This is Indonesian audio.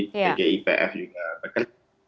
dari ipf juga